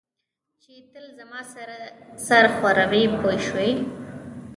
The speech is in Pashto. چې تل زما سره سر ښوروي پوه شوې!.